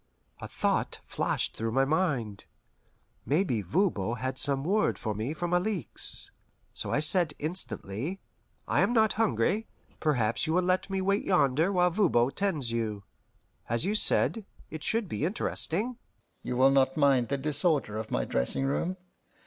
A thought flashed through my mind. Maybe Voban had some word for me from Alixe! So I said instantly, "I am not hungry. Perhaps you will let me wait yonder while Voban tends you. As you said, it should be interesting." "You will not mind the disorder of my dressing room?